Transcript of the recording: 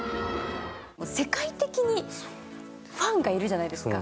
世界的にファンがいるじゃないですか。